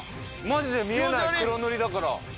マジで見えない黒塗りだから。